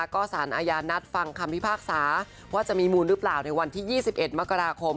ก็สารอาญานัดฟังคำพิพากษาว่าจะมีมูลหรือเปล่าในวันที่๒๑มกราคม